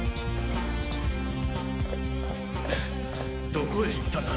どこへ行ったんだ？